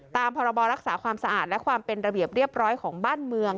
ตามพรบรักษาความสะอาดและความเป็นระเบียบเรียบร้อยของบ้านเมือง